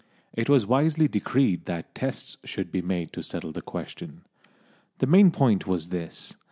It was wisely decreed that tests should be made to settle the question. The main point was this.